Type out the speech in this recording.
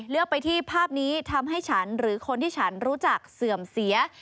ไปที่ภาพนี้ทำให้ฉันหรือคนที่ฉันรู้จักเสื่อมเสีย